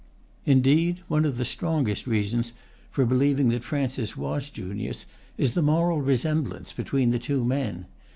Indeed one of the strongest reasons for believing that Francis was Junius is the moral resemblance between the two men.